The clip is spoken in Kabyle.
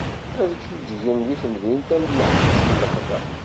Ad ǧǧuǧgen di temdint am leḥcic n lexla.